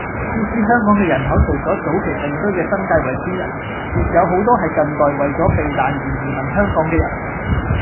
故此香港嘅人口除咗早期定居嘅新界圍村人，亦有好多係近代為咗避難而移民香港嘅人